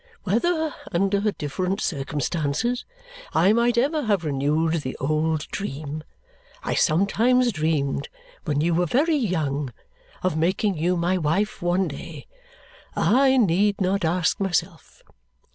Whether, under different circumstances, I might ever have renewed the old dream I sometimes dreamed when you were very young, of making you my wife one day, I need not ask myself.